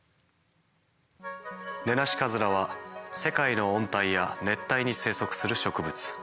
ネナシカズラは世界の温帯や熱帯に生息する植物。